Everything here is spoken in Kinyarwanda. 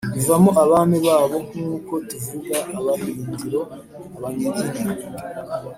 ivamo abami babo nk'uko tuvuga abahindiro (abanyiginya).